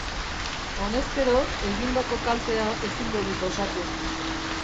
Honezkero, egindako kaltea ezingo dut osatu.